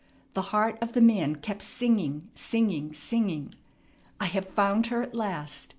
The heart of the man kept singing, singing, singing: "I have found her at last!